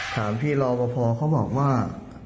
ถามพี่ลอวบะพรเขาบอกว่า